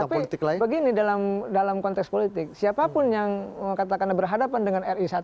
tapi begini dalam konteks politik siapapun yang katakan berhadapan dengan ri satu